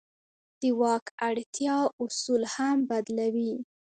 د واک اړتیا اصول هم بدلوي.